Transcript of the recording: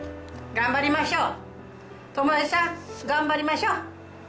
頑張りましょう。